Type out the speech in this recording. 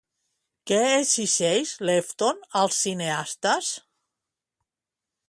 Què exigeix, Lewton, als cineastes?